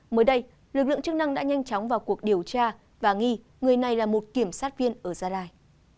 mới đây lực lượng chức năng đã nhanh chóng vào cuộc điều tra và nghi người này là một kiểm sát viên ở gia lai